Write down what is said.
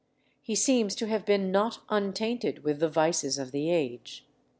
He seems to have been not untainted with the vices of the age.